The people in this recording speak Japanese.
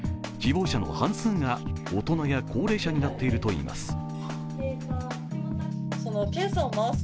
希望者の半数が大人や高齢者になっているといいます。